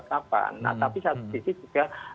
kapan nah tapi satu sisi juga